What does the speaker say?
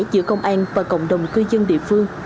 giữa công an và cộng đồng cư dân địa phương